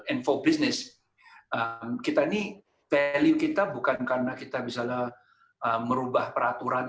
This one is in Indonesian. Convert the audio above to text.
info business kita ini value kita bukan karena kita misalnya merubah peraturan